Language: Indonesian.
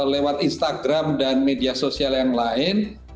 lewat instagram dan media sosial yang lain